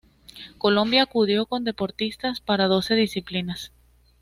Colombia acudió con deportistas para doce disciplinas.